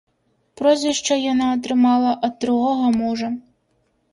Прозвішча яна атрымала ад другога мужа.